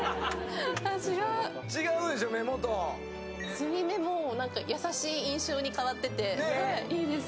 つり目も優しい印象に変わってていいです。